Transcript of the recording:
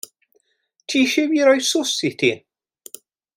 Ti eisiau i fi roi sws i ti?